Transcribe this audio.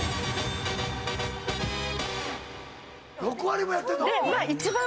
６割もやってんの⁉一番